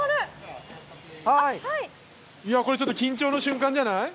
いやあこれちょっと緊張の瞬間じゃない？